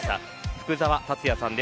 福澤達哉さんです。